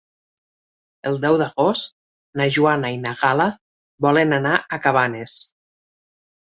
El deu d'agost na Joana i na Gal·la volen anar a Cabanes.